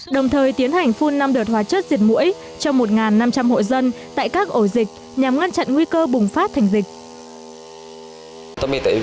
đồng thời tiến hành phun năm đợt hóa chất